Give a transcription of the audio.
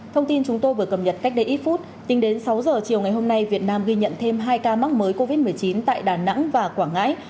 thông tin chúng tôi vừa cập nhật cách đây ít phút tính đến sáu giờ chiều ngày hôm nay việt nam ghi nhận thêm hai ca mắc mới covid một mươi chín tại đà nẵng và quảng ngãi